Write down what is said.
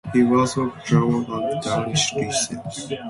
He was of German and Danish descent.